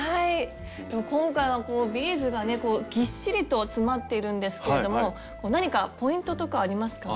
今回はこうビーズがねぎっしりと詰まっているんですけれども何かポイントとかありますか？